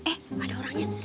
eh ada orangnya